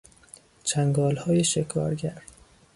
چنگالهای شکارگر